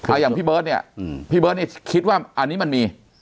อย่างพี่เบิร์ตเนี่ยพี่เบิร์ตนี่คิดว่าอันนี้มันมี